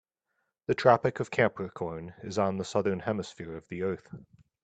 The Tropic of Capricorn is on the Southern Hemisphere of the earth.